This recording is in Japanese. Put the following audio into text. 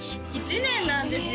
１年なんですよ